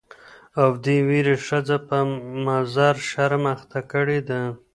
او دې ويرې ښځه په مضر شرم اخته کړې ده.